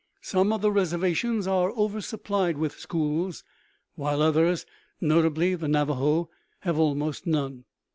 Some of the reservations are oversupplied with schools, while others, notably the Navajo, have almost none.